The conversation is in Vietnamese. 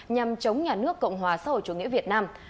nhằm chống nhà nước cộng hòa xã hội chủ nghĩa việt nam